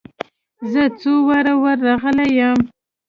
زه څو واره ور رغلى يم.